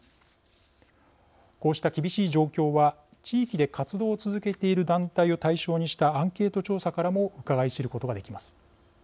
こうした厳しい状況は地域で活動を続けている団体を対象にしたアンケート調査からもうかがい知ることができます。